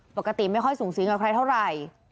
ปกติไม่ค่อยสูงสิงกับใครเท่าไหร่